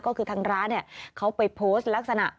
ก็คือทางร้านเนี่ยเขาไปโพสต์ลักษณะ